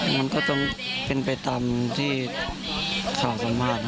มันก็ต้องเป็นไปตามที่ข่าวสัมภาษณ์